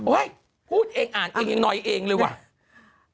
พูดเองอ่านเองยังหน่อยเองเลยว่ะ